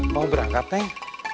mau berangkat neng